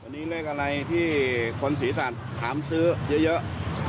วันนี้เลขอะไรที่คนศรีสัตว์ถามซื้อเยอะ